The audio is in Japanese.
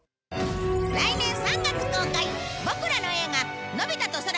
来年３月公開ボクらの映画『のび太と空の理想郷』。